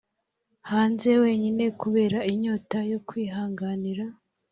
hanze wenyine, kubera inyota yo kwihanganira,